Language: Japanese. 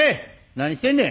何してんねん。